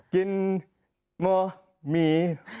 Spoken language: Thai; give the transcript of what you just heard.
กินมัวมี